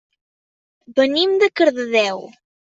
Venim de Cardedeu.